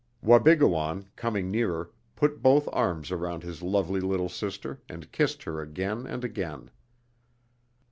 Wabigoon, coming nearer, put both arms around his lovely little sister and kissed her again and again.